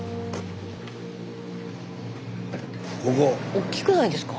おっきくないですか？